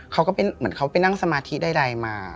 ก็เป็นเหมือนเขาไปนั่งสมาธิใดมา